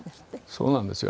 そうなんですよ。